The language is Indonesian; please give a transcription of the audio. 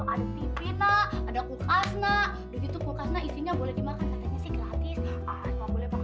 apa kabar abah